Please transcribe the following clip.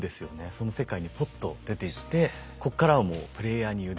その世界にぽっと出ていってこっからはもうプレイヤーに委ねられる。